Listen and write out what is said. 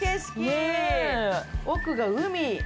奥が海。